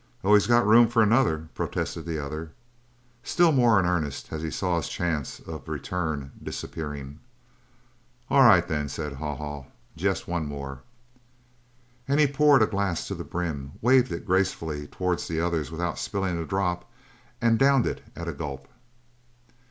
"Always got room for another," protested the other, still more in earnest as he saw his chance of a return disappearing. "All right, then," said Haw Haw. "Jest one more." And he poured a glass to the brim, waved it gracefully towards the others without spilling a drop, and downed it at a gulp.